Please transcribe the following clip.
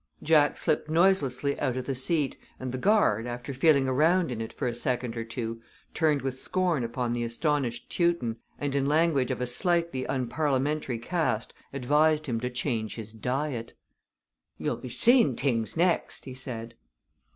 Jack slipped noiselessly out of the seat, and the guard, after feeling around in it for a second or two, turned with scorn upon the astonished Teuton, and in language of a slightly unparliamentary cast advised him to change his diet. "You'll be seein' t'ings next!" he said.